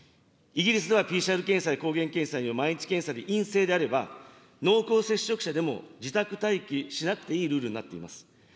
イギリスでは、ＰＣＲ検査や抗原検査による毎日検査で陰性であれば、濃厚接触者でも自宅待機しなくていいルールになっています。